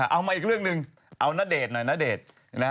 เอามาอีกเรื่องหนึ่งเอาณเดชน์หน่อยณเดชน์